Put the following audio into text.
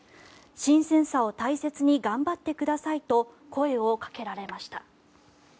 新鮮さを大切に頑張ってくださいと声をかけられました。